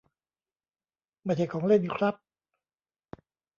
ไม่ใช่ของเล่นครับ